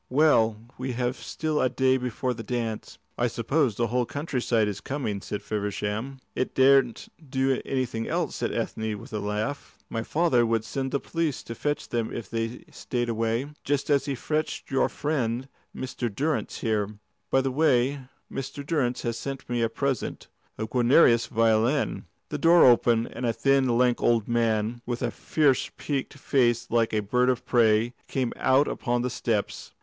"Well, we have still a day before the dance." "I suppose the whole country side is coming," said Feversham. "It daren't do anything else," said Ethne, with a laugh. "My father would send the police to fetch them if they stayed away, just as he fetched your friend Mr. Durrance here. By the way, Mr. Durrance has sent me a present a Guarnerius violin." The door opened, and a thin, lank old man, with a fierce peaked face like a bird of prey, came out upon the steps.